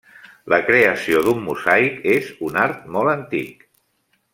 La creació d'un mosaic és un art molt antic.